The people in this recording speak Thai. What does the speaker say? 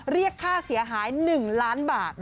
เรียกค่าเสียหาย๑ล้านบาท